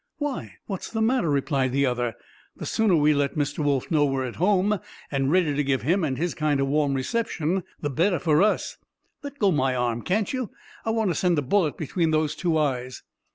"Why, what's the matter?" replied the other. "The sooner we let Mr. Wolf know we're at home and ready to give him and his kind a warm reception, the better for us. Let go my arm, can't you? I want to send a bullet between those two eyes."